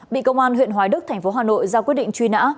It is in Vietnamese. bị công an huyện hoài đức thành phố hà nội ra quyết định truy nã